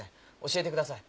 教えてください。